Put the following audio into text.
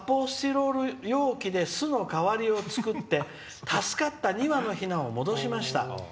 「急きょ、発泡スチロール容器で巣の代わりを作って、助かった２羽のひなを戻しました。